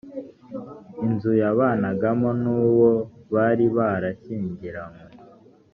inzu yabanagamo n uwo bari barashyingiranywe